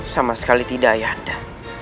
sama sekali tidak ayah anda